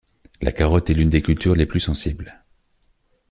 La carotte est l'une des cultures les plus sensibles.